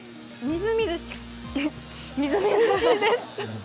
みずみずしいです。